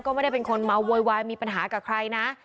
ก็ไม่ได้เป็นคนเมาโวยวายมีปัญหากับใครนะ